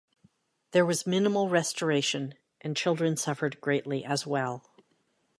There was minimal restoration and children suffered greatly as well.